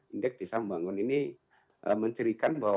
indeks desa membangun ini mencerikan bahwa